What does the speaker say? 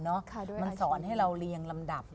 มันสอนให้เราเรียงลำดับ